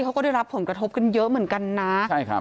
เขาก็ได้รับผลกระทบกันเยอะเหมือนกันนะใช่ครับ